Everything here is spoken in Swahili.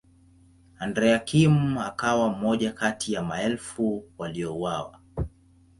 Andrea Kim akawa mmoja kati ya maelfu waliouawa.